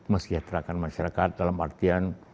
mengesehatkan masyarakat dalam artian